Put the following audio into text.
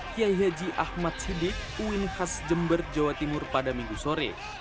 kiai haji ahmad sidik uin khas jember jawa timur pada minggu sore